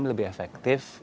kami lebih efektif